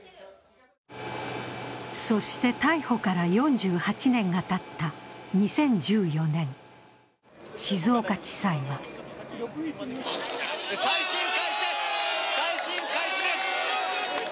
そして逮捕から４８年がたった２０１４年、静岡地裁は再審開始です、再審開始です。